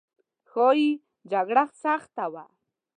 ښایي جګړه سخته وه.